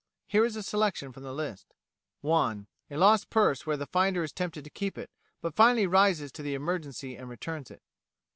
Here is a selection from the list: 1. A lost purse where the finder is tempted to keep it, but finally rises to the emergency and returns it.